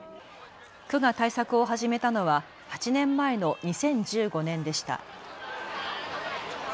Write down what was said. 区が対策を始めたのは８年前の２０１５年でした。